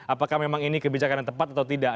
apakah memang ini kebijakan yang tepat atau tidak